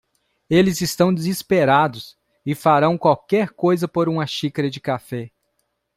Eles estão desesperados e farão qualquer coisa por uma xícara de café.